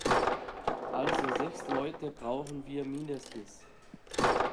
Also sechs Leute brauchen wir mindestens.